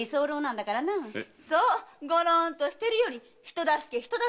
そうゴロンとしてるより人助け人助け！